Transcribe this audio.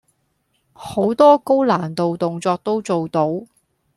好多高難度動作都做到